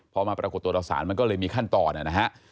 พอมาปรากฏตัวต่อสารมันก็เลยมีขั้นตอนนะฮะ